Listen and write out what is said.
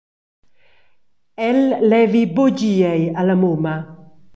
El levi buca dir ei alla mumma.